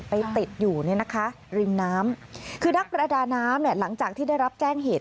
ไปติดอยู่เนี่ยนะคะริมน้ำคือนักประดาน้ำเนี่ยหลังจากที่ได้รับแจ้งเหตุ